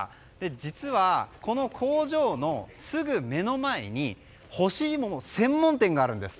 実は、この工場のすぐ目の前に干し芋の専門店があるんです。